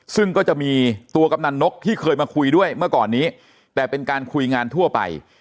ซึ่งก็จะมีตัวกำนันนกที่เคยมาคุยด้วยเมื่อก่อนนี้แต่เป็นการคุยงานทั่วไป